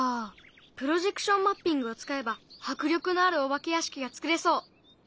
プロジェクションマッピングを使えば迫力のあるお化け屋敷が作れそう！